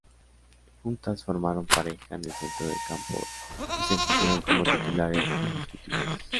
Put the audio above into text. Juntas formaron pareja en el centro del campo y se impusieron como titulares indiscutibles.